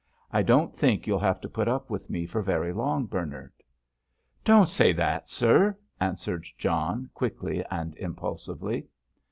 I don't think you'll have to put up with me for very long, Bernard!" "Don't say that, sir!" answered John, quickly and impulsively.